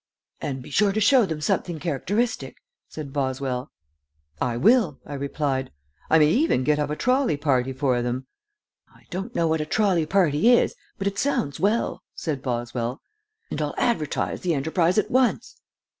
"And be sure to show them something characteristic," said Boswell. "I will," I replied; "I may even get up a trolley party for them." "I don't know what a trolley party is, but it sounds well," said Boswell, "and I'll advertise the enterprise at once.